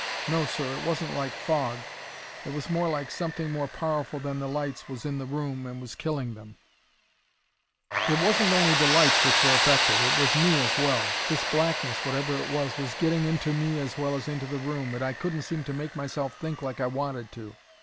No, sir, it wasn't like fog; it was more like something more powerful than the lights was in the room and was killing them. "It wasn't only the lights which were affected, it was me as well. This blackness, whatever it was, was getting into me as well as into the room, and I couldn't seem to make myself think like I wanted to.